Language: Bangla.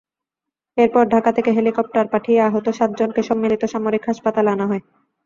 এরপর ঢাকা থেকে হেলিকপ্টার পাঠিয়ে আহত সাতজনকে সম্মিলিত সামরিক হাসপাতালে আনা হয়।